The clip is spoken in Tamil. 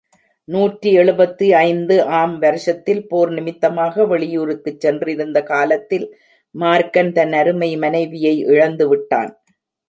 நூற்றி எழுபத்தைந்து ஆம் வருஷத்தில் போர் நிமித்தமாக வெளியூருக்குச் சென்றிருந்த காலத்தில் மார்க்கன் தன் அருமை மனைவியை இழந்துவிட்டான்.